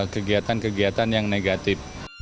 kegiatan kegiatan yang negatif